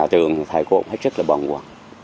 rồi qua hôm qua